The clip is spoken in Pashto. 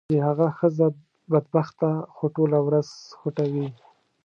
چې هغه ښځه بدبخته خو ټوله ورځ خوټوي.